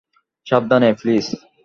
সাবধানে - প্লিজ।